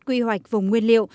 quy hoạch vùng nguyên liệu